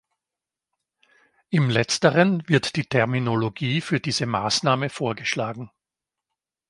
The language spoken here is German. Im letzteren wird die Terminologie für diese Maßnahme vorgeschlagen.